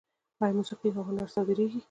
آیا موسیقي او هنر صادریږي؟